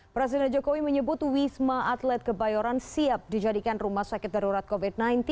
presiden jokowi menyebut wisma atlet kebayoran siap dijadikan rumah sakit darurat covid sembilan belas